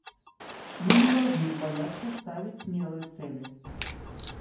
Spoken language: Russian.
Мы не должны бояться ставить смелые цели.